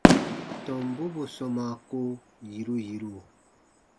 Tɔmbu bù sɔmaa ko yiru yiru.